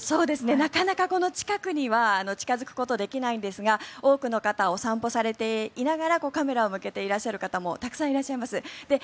なかなかこの近くには近付くことができないんですが多くの方お散歩されていながらカメラを向けている方もたくさんいらっしゃいます。